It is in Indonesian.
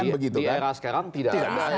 era sekarang tidak ada